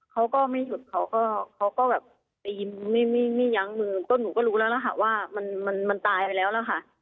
เขาก็ไม่หยุดเขาก็เขาก็แบบไปยิ้มไม่ยั้งมือก็หนูก็รู้แล้วนะคะว่ามันมันตายไปแล้วล่ะค่ะ